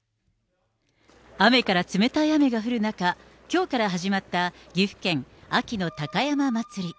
雨から、冷たい雨が降る中、きょうから始まった岐阜県、秋の高山祭。